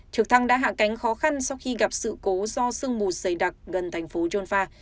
trực thăng đã hạ cánh khó khăn sau khi gặp sự cố do sương mù dày đặc gần thành phố john pha